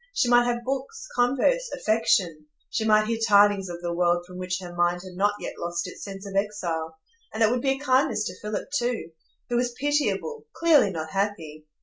She might have books, converse, affection; she might hear tidings of the world from which her mind had not yet lost its sense of exile; and it would be a kindness to Philip too, who was pitiable,—clearly not happy.